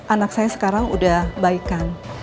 anak saya sekarang udah baikan